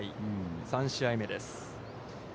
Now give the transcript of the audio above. ３試合目です。